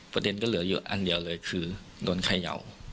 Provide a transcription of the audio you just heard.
ประเด็นก็เหลืออยู่อันเดียวเลยคือโดนเขย่า